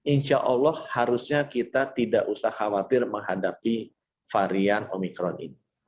insya allah harusnya kita tidak usah khawatir menghadapi varian omikron ini